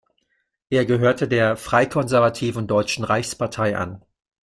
Er gehörte der freikonservativen Deutschen Reichspartei an.